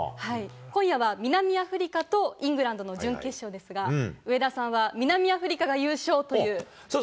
今夜は、南アフリカとイングランドの準決勝ですが、上田さんは南アフリカが優勝という。